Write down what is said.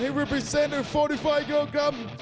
เขาเป็นแอคชั่นของ๔๕กิโลกรัม